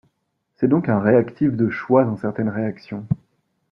C'est donc un réactif de choix dans certaines réactions.